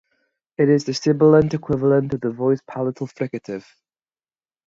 It is the sibilant equivalent of the voiced palatal fricative.